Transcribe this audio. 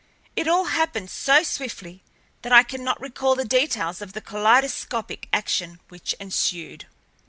It all happened so swiftly that I cannot recall the details of the kaleidoscopic action which ensued.